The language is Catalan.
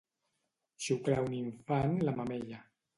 Xuclar un infant la mamella.